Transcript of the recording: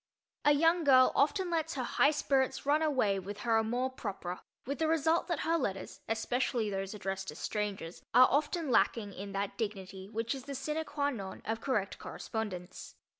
A young girl often lets her high spirits run away with her amour propre, with the result that her letters, especially those addressed to strangers, are often lacking in that dignity which is the sine qua non of correct correspondence.